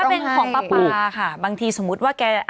เป็นของปลาปลาค่ะบางทีสมมุติว่าแก